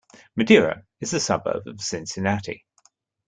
Madeira is a suburb of Cincinnati.